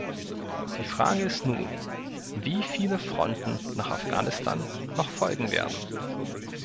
Die Frage ist nun, wie viele Fronten nach Afghanistan noch folgen werden.